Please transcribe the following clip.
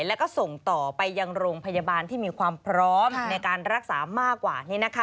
แล้วก็ส่งต่อไปยังโรงพยาบาลที่มีความพร้อมในการรักษามากกว่า